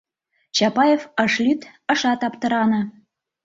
Чапаев ыш лӱд, ышат аптыране.